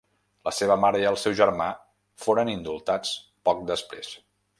La seva mare i el seu germà foren indultats poc després.